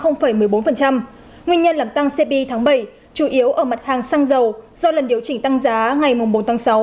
nguyên nhân làm tăng cpi tháng bảy chủ yếu ở mặt hàng xăng dầu do lần điều chỉnh tăng giá ngày bốn tháng sáu